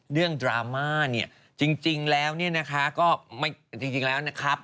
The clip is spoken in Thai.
เรื่องดราม่าจริงแล้วให้คับ